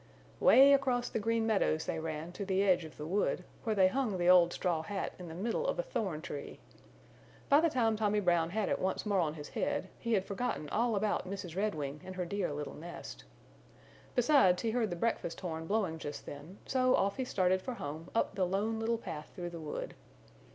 Way across the Green Meadows they ran to the edge of the wood, where they hung the old straw hat in the middle of a thorn tree. By the time Tommy Brown had it once more on his head he had forgotten all about Mrs. Redwing and her dear little nest. Besides, he heard the breakfast horn blowing just then, so off he started for home up the Lone Little Path through the wood.